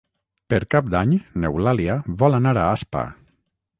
Per Cap d'Any n'Eulàlia vol anar a Aspa.